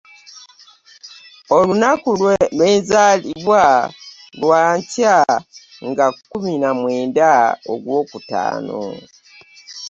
Olunaku kwe nnazaalibwa lwa nkya nga kkumi na mwenda Ogwokutaano.